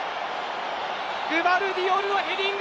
グヴァルディオルのヘディング！